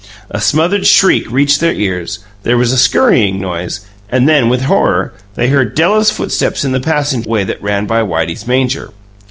A smothered shriek reached their ears; there was a scurrying noise, and then, with horror, they heard Della's footsteps in the passageway that ran by Whitey's manger.